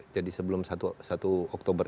jadi sebelum satu oktober